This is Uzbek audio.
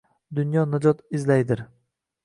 Dunyo najot izlaydir.